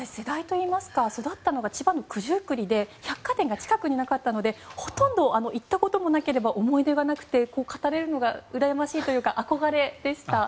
私育ったのが千葉の九十九里で百貨店が近くになかったのでほとんど行ったこともなければ思い出がなくて語れるのがうらやましいというか憧れでした。